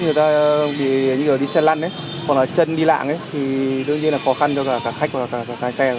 người ta đi xe lăn chân đi lạng thì đương nhiên là khó khăn cho cả khách và cả xe